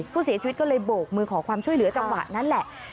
ผู้เสียชีวิตก็เลยโบกมือขอความช่วยเหลือจังหวะนั้นแหละ